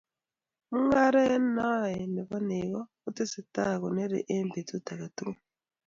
mongaree na bo ne nekoo kutesetai koneere ebg betut age tugul